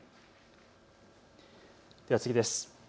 では次です。